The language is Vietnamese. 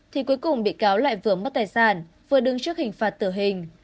thì cuối cùng bị cáo lại vừa mất tài sản vừa đứng trước hình phạt tử hình